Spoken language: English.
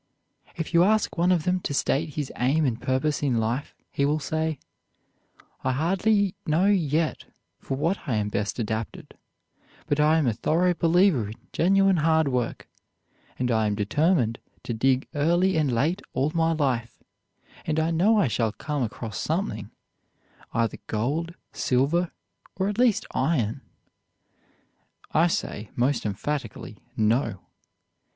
If you ask one of them to state his aim and purpose in life, he will say: "I hardly know yet for what I am best adapted, but I am a thorough believer in genuine hard work, and I am determined to dig early and late all my life, and I know I shall come across something either gold, silver, or at least iron." I say most emphatically, no.